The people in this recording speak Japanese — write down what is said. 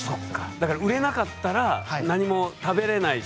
だから売れなかったら何も食べれないし。